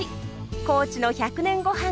高知の「１００年ゴハン」